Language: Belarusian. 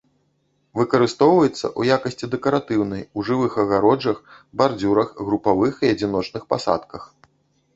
Выкарыстоўваецца ў якасці дэкаратыўнай у жывых агароджах, бардзюрах, групавых і адзіночных пасадках.